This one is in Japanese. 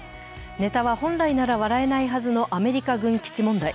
ネタは本来なら笑えないはずのアメリカ軍基地問題。